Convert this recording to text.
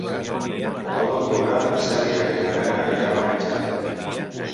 El nou d'octubre na Cèlia i na Vera iran al metge.